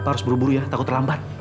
harus buru buru ya takut terlambat